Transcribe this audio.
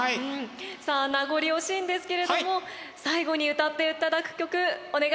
さあ名残惜しいんですけれども最後に歌っていただく曲お願いします。